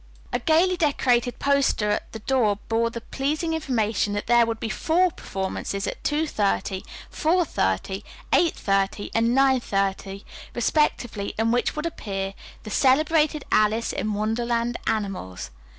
A gayly decorated poster at the door bore the pleasing information that there would be four performances, at two thirty, four thirty, eight thirty, and nine thirty, respectively, in which would appear the "Celebrated Alice in Wonderland Animals."